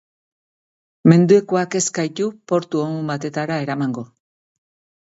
Mendekuak ez gaitu bortu on batetara eramango.